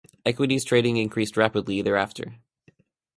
Equities trading increased rapidly thereafter.